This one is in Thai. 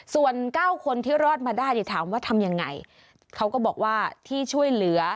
ส่วนเก้าคนที่รอดมาได้ถามว่าทำยังไงเขาก็บอกว่าที่ช่วยเหลือ